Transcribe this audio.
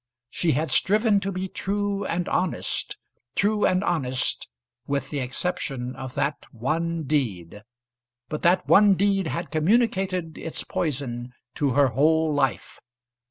She had striven to be true and honest, true and honest with the exception of that one deed. But that one deed had communicated its poison to her whole life.